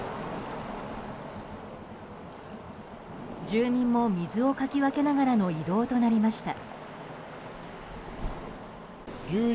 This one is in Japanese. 住民も水をかき分けながらの移動となりました。